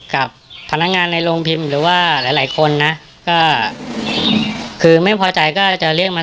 กับพนักงานในโรงพิมพ์หรือว่าหลายหลายคนนะก็คือไม่พอใจก็จะเรียกมา